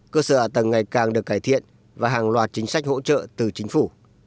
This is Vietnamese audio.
cơ sở ả tầng ngày càng được cải thiện và hàng loạt chính sách hỗ trợ từ chính phủ